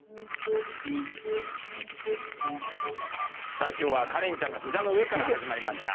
さあ今日はカレンちゃんの膝の上から始まりました。